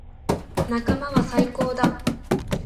仲間は最高だ。